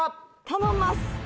頼みます！